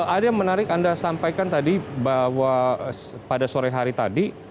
ada yang menarik anda sampaikan tadi bahwa pada sore hari tadi